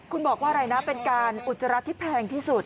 คุณบอกว่าอะไรนะเป็นการอุจจาระที่แพงที่สุด